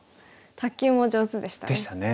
卓球も上手でしたね。